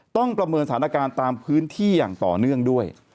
ประเมินสถานการณ์ตามพื้นที่อย่างต่อเนื่องด้วย